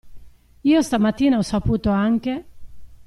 Io stamattina ho saputo anche.